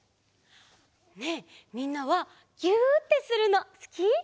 ねえみんなはぎゅってするのすき？